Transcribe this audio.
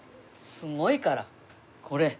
すごいからこれ。